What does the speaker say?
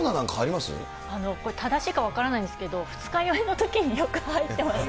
正しいか分からないんですけど、二日酔いのときによく入ってました。